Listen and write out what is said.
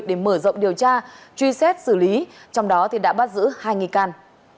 để mở rộng điều tra truy xét xử lý trong đó đã bắt giữ hai nghi can